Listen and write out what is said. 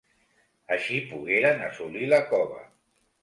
Així pogueren assolir la cova.